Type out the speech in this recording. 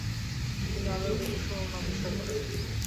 তিনি আলোর প্রতিসরণ আবিষ্কার করেন।